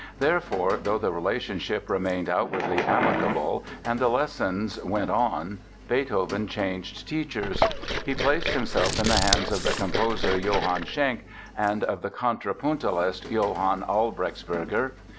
Therefore, though the relationship remained outwardly amicable and the lessons went on, Beethoven changed teachers. He placed himself in the hands of the composer, Johann Schenk, and of the contrapuntist, Johann Albrechtsberger.